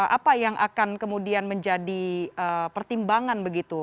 apa yang akan kemudian menjadi pertimbangan begitu